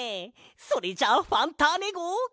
それじゃあファンターネごう。